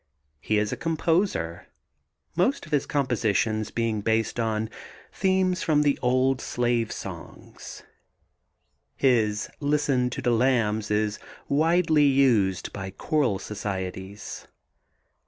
He is a composer, most of his compositions being based on themes from the old "slave songs." His "Listen to de Lambs" is widely used by choral societies.